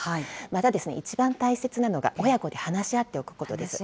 またですね、一番大切なのが、親子で話し合っておくことです。